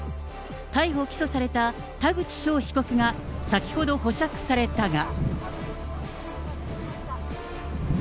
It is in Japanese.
逮捕・起訴された田口翔被告が先ほど保釈されたが。